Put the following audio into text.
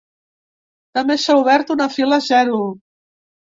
També s’ha obert una fila zero.